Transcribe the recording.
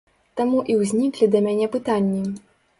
Таму і ўзніклі да мяне пытанні.